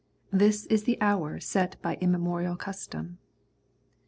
This is the hour set by immemorial custom.